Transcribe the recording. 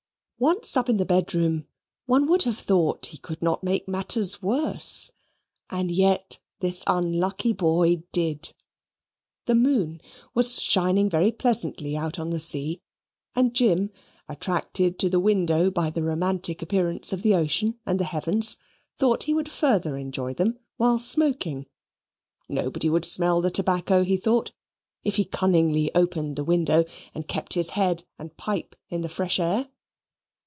Once up in the bedroom, one would have thought he could not make matters worse; and yet this unlucky boy did. The moon was shining very pleasantly out on the sea, and Jim, attracted to the window by the romantic appearance of the ocean and the heavens, thought he would further enjoy them while smoking. Nobody would smell the tobacco, he thought, if he cunningly opened the window and kept his head and pipe in the fresh air.